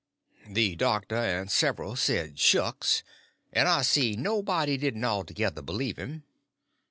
The doctor and several said "Shucks!" and I see nobody didn't altogether believe him.